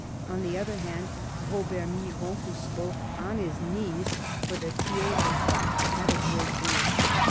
On the other hand Robert Miron, who spoke — on his knees— for the Tiers ^tat, had a great deal.